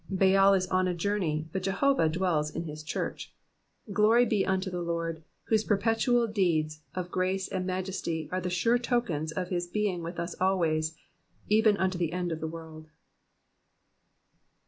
Baal is on a journey, but Jehovah dwells in his church. Glory be unto the Lord, whose perpetual deeds of grace and majesty are the sure tokens of his being with us always, even unto the end of the world.